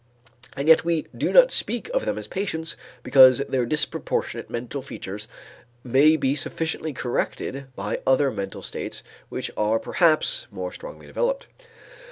And yet we do not speak of them as patients because their disproportionate mental features may be sufficiently corrected by other mental states which are perhaps more strongly developed.